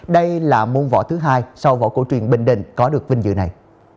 đây là môn võ thứ hai sau võ cổ truyền bình định có được vinh dự này